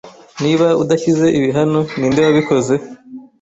Niba udashyize ibi hano, ninde wabikoze?